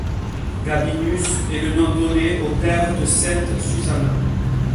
Gabinus est le nom donné au père de sainte Susanna.